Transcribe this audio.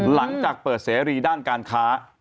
หลังจากเปิดเสรีด้านการค้า